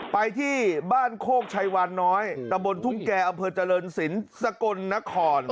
ไปที่บ้านโคกชัยวานน้อยตะบนทุ่งแก่อำเภอเจริญศิลป์สกลนคร